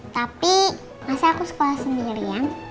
tapi masa aku sekolah sendiri ya